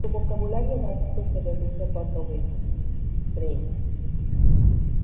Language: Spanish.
Su vocabulario básico se reduce a cuatro gritos: "Drink!